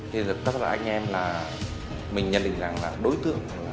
thì thực tất là anh em là mình nhận định rằng là đối tượng